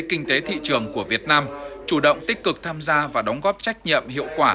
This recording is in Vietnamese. kinh tế thị trường của việt nam chủ động tích cực tham gia và đóng góp trách nhiệm hiệu quả